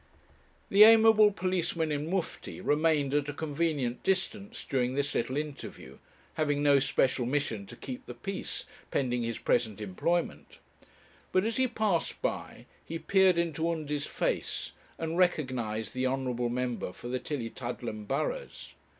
The amiable policeman in mufti remained at a convenient distance during this little interview, having no special mission to keep the peace, pending his present employment; but, as he passed by, he peered into Undy's face, and recognized the honourable member for the Tillietudlem burghs.